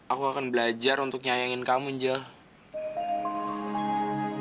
aku akan belajar untuk nyayangin kamu jell